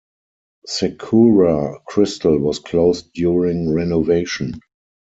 Sakura Kristal was closed during renovation.